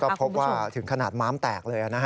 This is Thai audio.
แล้วก็พบว่าถึงขนาดหมามแตกเลย